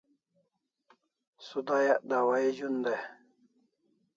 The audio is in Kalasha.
Sudayak dawahi zun dai